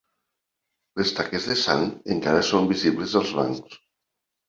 Les taques de sang encara són visibles als bancs.